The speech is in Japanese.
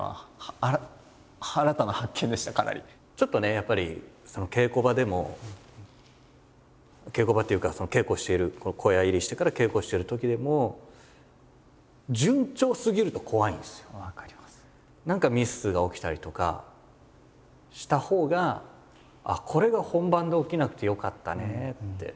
ちょっとねやっぱり稽古場でも稽古場っていうか稽古している小屋入りしてから稽古してるときでも何かミスが起きたりとかしたほうがこれが本番で起きなくてよかったねって。